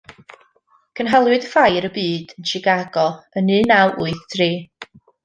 Cynhaliwyd Ffair y Byd yn Chicago yn un naw wyth tri.